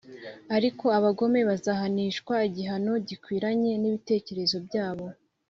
Ariko abagome bazahanishwa igihano gikwiranye n’ibitekerezo byabo,